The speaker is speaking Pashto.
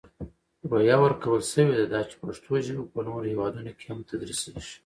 روحیه ورکول شوې ده، دا چې پښتو ژپه په نورو هیوادونو کې هم تدرېسېږي.